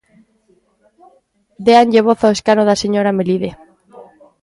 Déanlle voz ao escano da señora Melide.